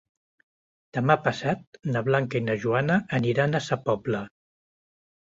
Demà passat na Blanca i na Joana aniran a Sa Pobla.